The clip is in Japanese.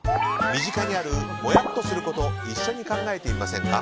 身近にあるもやっとしたこと一緒に考えてみませんか？